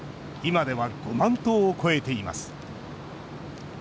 今では５万頭を超えています。